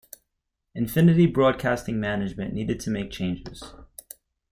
Infinity Broadcasting management needed to make changes.